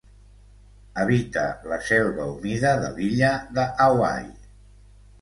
Habita la selva humida de l'illa de Hawaii.